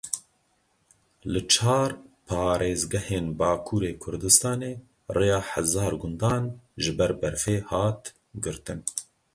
Li çar parêzgehên Bakurê Kurdistanê rêya hezar gundan ji ber berfê hat girtin.